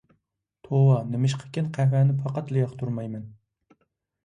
توۋا، نېمىشقىكىن قەھۋەنى پەقەتلا ياقتۇرمايمەن.